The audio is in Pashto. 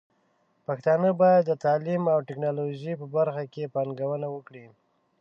پښتانه بايد د تعليم او ټکنالوژۍ په برخه کې پانګونه وکړي.